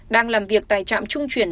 đang làm việc tại trạm trung chuyển